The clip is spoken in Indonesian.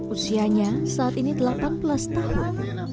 usianya saat ini delapan belas tahun